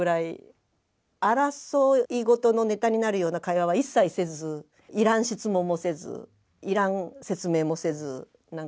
争いごとのネタになるような会話は一切せずいらん質問もせずいらん説明もせずなんか